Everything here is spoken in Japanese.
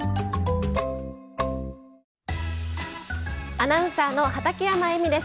アナウンサーの畠山衣美です。